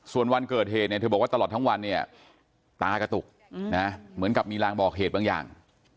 ส่วนวันเกิดเหตุเนี่ยเธอบอกว่าตลอดทั้งวันเนี่ยตากระตุกเหมือนกับมีรางบอกเหตุบางอย่าง